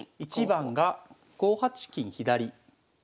１番が５八金左。